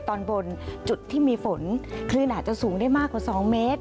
ตอนบนจุดที่มีฝนคลื่นอาจจะสูงได้มากกว่า๒เมตร